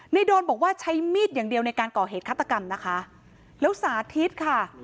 โดนบอกว่าใช้มีดอย่างเดียวในการก่อเหตุฆาตกรรมนะคะแล้วสาธิตค่ะ